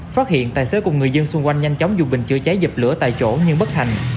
phát hiện tài xế cùng người dân xung quanh nhanh chóng dùng bình chữa cháy dập lửa tại chỗ nhưng bất hành